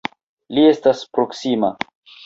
Li estas proksima!